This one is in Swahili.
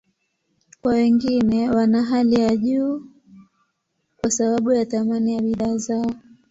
Kwa wengine, wana hali ya juu kwa sababu ya thamani ya bidhaa zao.